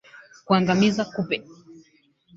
Kuangamiza kupe